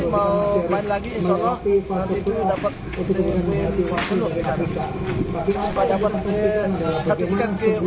mau main lagi insya allah nanti itu dapat tim tim seluruh